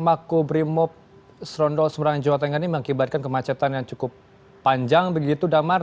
makobrimob serondol semarang jawa tengah ini mengakibatkan kemacetan yang cukup panjang begitu damar